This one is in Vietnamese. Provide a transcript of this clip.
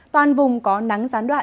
toàn vùng có nắng gián đoạn